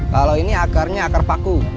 kalau ini akarnya akar paku